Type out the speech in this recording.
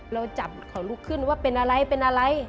เราจับเขาลุกขึ้นว่าเป็นอะไรเป็นอะไร